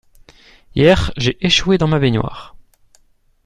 Hier, j’ai échoué dans ma baignoire.